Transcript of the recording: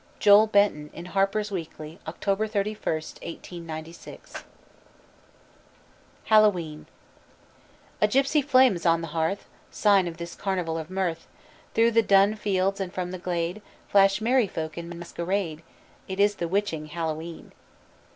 JOEL BENTON in Harper's Weekly, Oct. 31, 1896. [Illustration: NO HALLOWE'EN WITHOUT A JACK O' LANTERN.] HALLOWE'EN A gypsy flame is on the hearth, Sign of this carnival of mirth. Through the dun fields and from the glade Flash merry folk in masquerade It is the witching Hallowe'en.